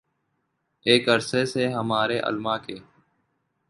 ایک عرصے سے ہمارے علما کے